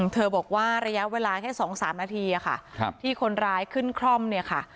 เธอบอกว่าระยะเวลาแค่๒๓นาทีค่ะที่คนร้ายขึ้นคล่อมเนี่ยค่ะ